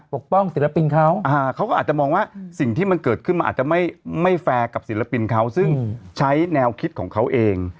ปกป้องศิลปินเขาเขาก็อาจจะมองว่าสิ่งที่มันเกิดขึ้นมันอาจจะไม่แฟร์กับศิลปินเขาซึ่งใช้แนวคิดของเขาเอง